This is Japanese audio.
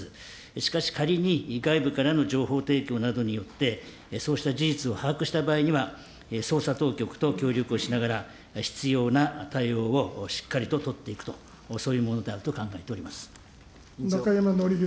しかし、仮に外部からの情報提供などによって、そうした事実を把握した場合には、捜査当局と協力をしながら、必要な対応をしっかりと取っていくと、そういうものであると考え中山展宏君。